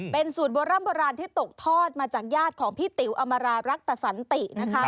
เป็นสูตรโบร่ำโบราณที่ตกทอดมาจากญาติของพี่ติ๋วอมรารักตสันตินะคะ